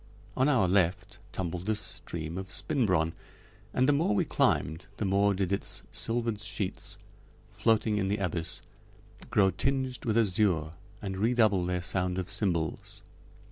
On our left tumbled the stream of Spinbronn, and the more we climbed the more did its silvered sheets, floating in the abyss, grow tinged with azure and redouble their sound of cymbals.